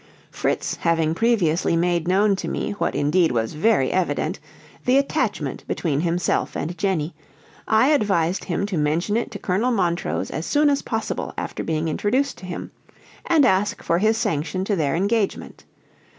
Fritz, having previously made known to me, what indeed was very evident, the attachment between himself and Jenny, I advised him to mention it to Colonel Montrose as soon as possible after being introduced to him, and ask for his sanction to their engagement.